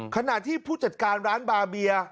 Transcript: ขนาดที่ผู้จัดการร้านบาร์เบียร์